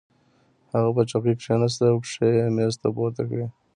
هغه په چوکۍ کېناست او پښې یې مېز ته پورته کړې